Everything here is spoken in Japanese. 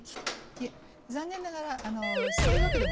いえ残念ながらあのそういうわけでもないんですね。